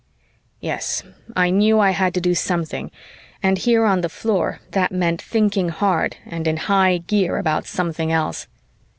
Yes, I knew I had to do something, and here on the floor that meant thinking hard and in high gear about something else.